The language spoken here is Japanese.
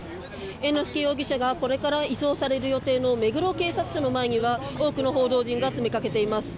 猿之助容疑者がこれから移送される予定の目黒警察署の前には多くの報道陣が詰めかけています。